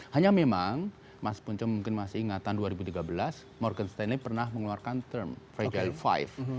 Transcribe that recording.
hanya memang mas punco mungkin masih ingatan dua ribu tiga belas morgan stanley pernah mengeluarkan term regail five